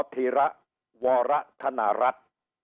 ธีระวรธนรัฐ